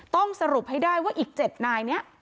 ต้องสรุปให้ได้ว่าอีก๗นายเนี่ย